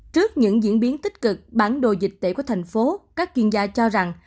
trước những diễn biến tích cực bản đồ dịch tễ của thành phố các chuyên gia cho rằng